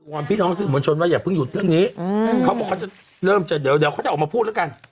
วอนพี่น้องสื่อมวลชนว่าอย่าพึ่งหยุดเรื่องนี้เขาบอกว่าเดี๋ยวเขาจะออกมาพูดแล้วกัน